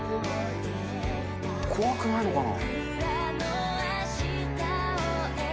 怖くないのかな。